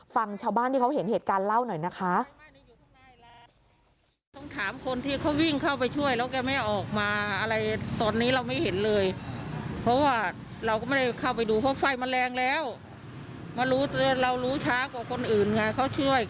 ฟังชาวบ้านที่เขาเห็นเหตุการณ์เล่าหน่อยนะคะ